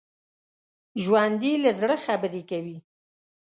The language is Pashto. ژوندي له زړه خبرې کوي